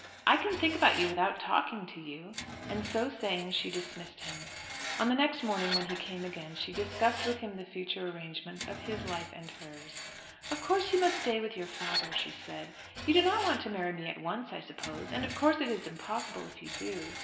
I can think about you without talking to you." And so saying she dismissed him. On the next morning, when he came again, she discussed with him the future arrangement of his life and hers. "Of course you must stay with your father," she said. "You do not want to marry me at once, I suppose. And of course it is impossible if you do.